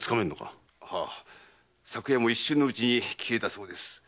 昨夜も一瞬のうちに消えたそうです。